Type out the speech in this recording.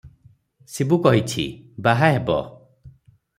ଶିବୁ କହିଛି, ବାହା ହେବ ।